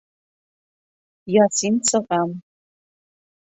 Ясин сығам.